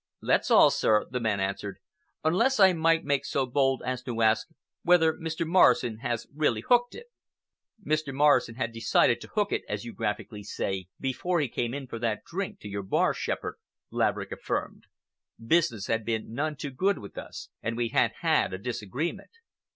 "That's all, sir," the man answered, "unless I might make so bold as to ask whether Mr. Morrison has really hooked it?" "Mr. Morrison had decided to hook it, as you graphically say, before he came in for that drink to your bar, Shepherd," Laverick affirmed. "Business had been none too good with us, and we had had a disagreement."